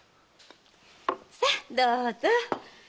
さどうぞ！